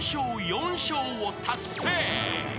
４笑を達成］